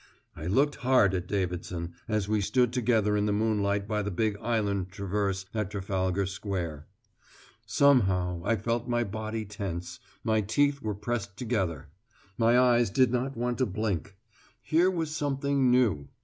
I looked hard at Davidson, as we stood together in the moonlight by the big island traverse at Trafalgar Square. Somehow I felt my body tense; my teeth were pressed together; my eyes did not want to blink. Here was something new.